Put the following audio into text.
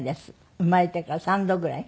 生まれてから３度ぐらい？